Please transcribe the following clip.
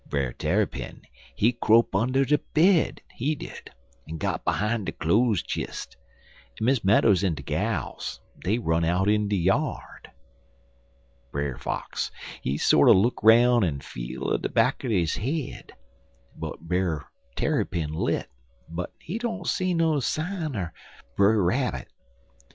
Brer Tarrypin, he crope under de bed, he did, en got behime de cloze chist, en Miss Meadows en de gals, dey run out in de yard. "Brer Fox, he sorter look roun' en feel or de back er his head, whar Brer Tarrypin lit, but he don't see no sine er Brer Rabbit.